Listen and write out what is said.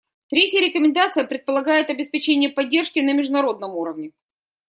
Третья рекомендация предполагает обеспечение поддержки на международном уровне.